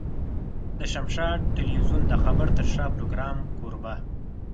د شمشاد ټلوېزيون د خبر تر شا پروګرام کوربه.